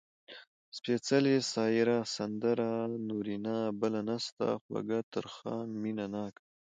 سپېڅلې ، سايره ، سندره، نورينه . بله نسته، خوږَه، ترخه . مينه ناکه